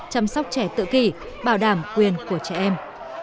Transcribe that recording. chăm sóc trẻ tự kỷ bảo đảm quyền của trẻ em